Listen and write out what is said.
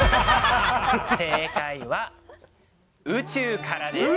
正解は、宇宙からです。